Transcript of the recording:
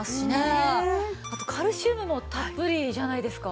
あとカルシウムもたっぷりじゃないですか。